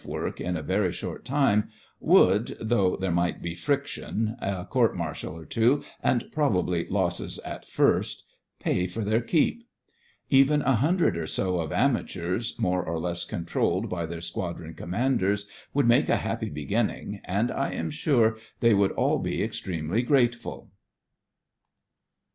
work in a very short time would — though 100 THE FRINGES OF THE FLEET there might be friction, a court martial or two, and probably losses at first — pay for their keep. Even a hundred or so of amateurs, more or less controlled by their squadron commanders, would make a happy beginning, and I am sure they would all be extremely grateful.